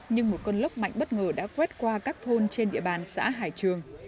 nhưng một cơn lốc mạnh bất ngờ đã quét qua các thôn trên địa bàn xã hải trường